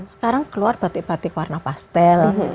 sekarang keluar batik batik warna pastel